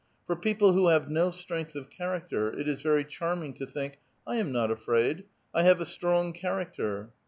For people who have no strength of character it is very charming to think, "■I am not afraid, I have a strong character."